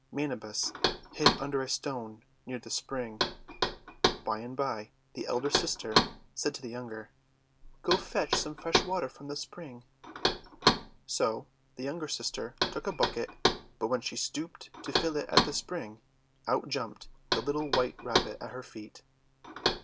Manabus hid under a stone near the spring. By and by the elder sister said to the younger: — LITTLE WHITE RABBIT 281 "Go fetch some fresh water from the spring." So the younger sister took a bucket, but when she stooped to fill it at the spring, out jumped the little white Rabbit at her feet.